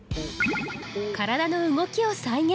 体の動きを再現。